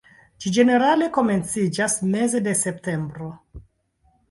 Ĝi ĝenerale komenciĝas meze de septembro.